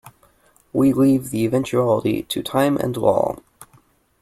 We leave the eventuality to time and law.